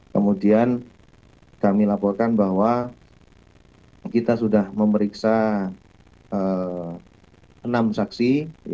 kemudian kami laporkan bahwa kita sudah memeriksa enam saksi